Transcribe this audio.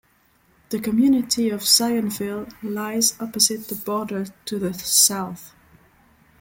The community of Zionville lies opposite the border to the south.